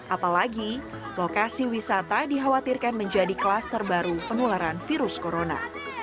apalagi lokasi wisata dikhawatirkan menjadi kluster baru penularan virus corona